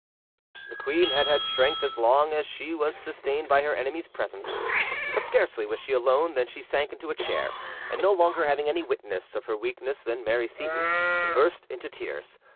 The queen had had strength as long as she was sustained by her enemy's presence, but scarcely was she alone than she sank into a chair, and no longer having any witness of her weakness than Mary Seyton, burst into tears.